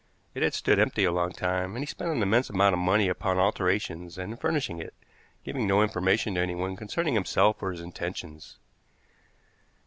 It had stood empty a long time, and he spent an immense amount of money upon alterations and in furnishing it, giving no information to anyone concerning himself or his intentions.